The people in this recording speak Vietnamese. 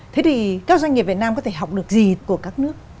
thế thì các doanh nghiệp việt nam có thể học được gì của các nước